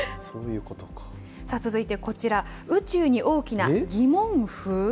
さあ、続いてこちら、宇宙に大きな疑問符？